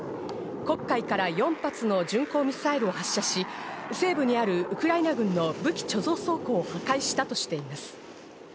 黒海から４発の巡航ミサイルを発射し、西部にあるウクライナ軍の武器貯蔵倉庫を破壊したとしています。